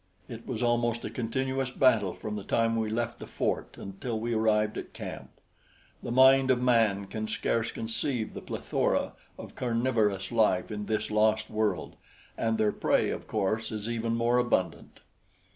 It was almost a continuous battle from the time we left the fort until we arrived at camp. The mind of man can scarce conceive the plethora of carnivorous life in this lost world; and their prey, of course, is even more abundant.